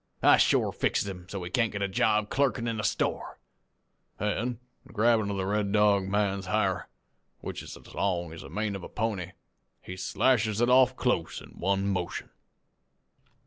'I shore fixes him so he can't get a job clerkin' in a store,' an' grabbin' the Red Dog man's ha'r, which is long as the mane of a pony, he slashes it off close in one motion.